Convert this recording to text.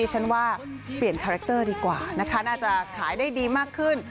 ฉันว่าเปลี่ยนคาแรคเตอร์ดีกว่านะคะน่าจะขายได้ดีมากขึ้น